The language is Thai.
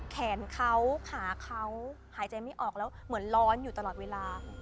แขนเขาขาเขาหายใจไม่ออกแล้วเหมือนร้อนอยู่ตลอดเวลา